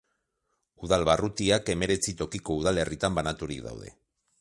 Udal-barrutiak hemeretzi tokiko udalerritan banaturik daude.